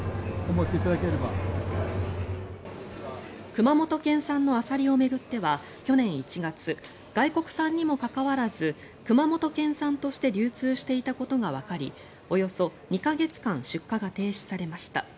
熊本県産のアサリを巡っては去年１月外国産にもかかわらず熊本県産として流通していたことがわかりおよそ２か月間出荷が停止されました。